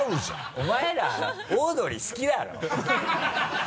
お前らオードリー好きだろ。